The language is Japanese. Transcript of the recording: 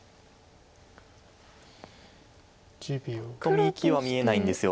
パッと見生きは見えないんです。